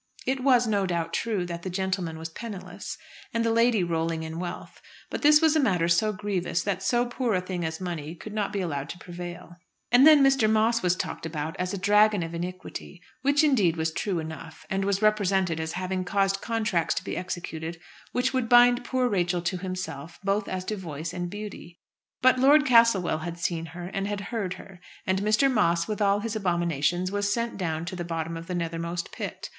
It was, no doubt, true that the gentleman was penniless and the lady rolling in wealth; but this was a matter so grievous that so poor a thing as money could not be allowed to prevail. And then Mr. Moss was talked about as a dragon of iniquity, which, indeed, was true enough, and was represented as having caused contracts to be executed which would bind poor Rachel to himself, both as to voice and beauty. But Lord Castlewell had seen her, and had heard her; and Mr. Moss, with all his abominations, was sent down to the bottom of the nethermost pit.